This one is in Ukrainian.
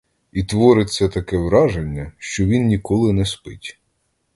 І твориться таке враження, що він ніколи не спить.